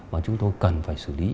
mà chúng tôi cần phải xử lý